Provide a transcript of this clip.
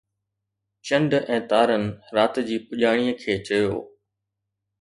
چنڊ ۽ تارن رات جي پڄاڻيءَ کي چيو